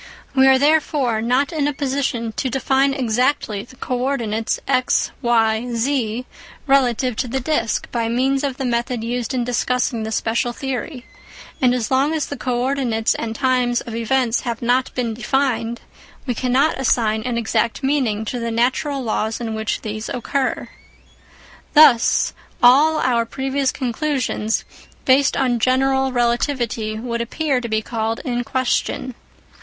We are therefore not in a position to define exactly the co ordinates x, y, z relative to the disc by means of the method used in discussing the special theory, and as long as the co ordinates and times of events have not been defined, we cannot assign an exact meaning to the natural laws in which these occur. Thus all our previous conclusions based on general relativity would appear to be called in question.